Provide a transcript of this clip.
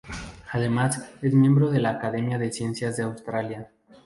Además es miembro de la Academia de Ciencias de Australia.